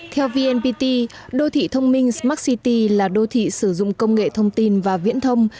theo vnpt đô thị thông minh smart city là đô thị sử dụng công nghệ thông tin và viễn thông